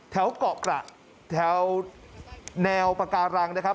แถวเกาะกระแถวแนวปาการังนะครับ